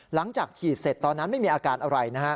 หลังจากฉีดเสร็จตอนนั้นไม่มีอาการอะไรนะฮะ